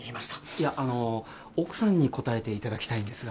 いやあの奥さんに答えて頂きたいんですが。